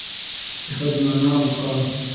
د ښځې مانا او مقام